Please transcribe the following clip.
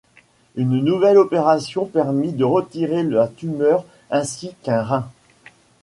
Une nouvelle opération permit de retirer la tumeur ainsi qu'un rein.